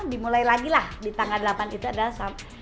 dimulai lagi lah di tanggal delapan itu adalah